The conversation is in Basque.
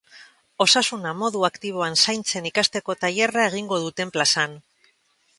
Osasuna modu aktiboan zaintzen ikasteko tailerra egingo duten plazan.